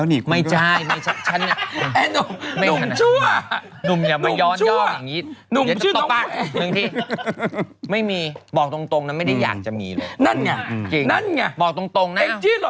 เองจี้หล่อไม่มีสิทธิ์เบะปากนะ